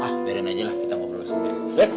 ah biarin aja lah kita ngobrol sendiri